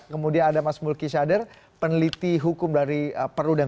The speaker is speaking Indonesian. kemudian ada mas mulki shader peneliti hukum dari perudam